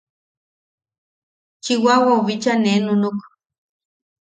Chiwawau bicha nee nunuk.